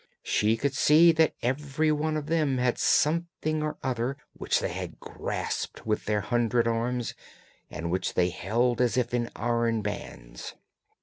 She could see that every one of them had something or other, which they had grasped with their hundred arms, and which they held as if in iron bands.